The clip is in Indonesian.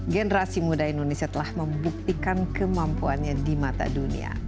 generasi muda indonesia telah membuktikan kemampuannya di mata dunia